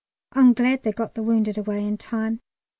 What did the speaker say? I'm glad they got the wounded away in time.